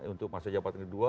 untuk masa jawabannya kedua